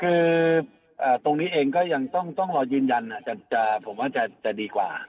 คือตรงนี้เองก็ยังต้องรอยืนยันผมว่าจะดีกว่า